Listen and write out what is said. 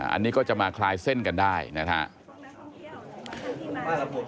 อันนี้ก็จะมาคลายเส้นกันได้นะครับ